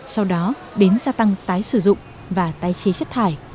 sau đó đến gia tăng tái sử dụng và tái chế chất thải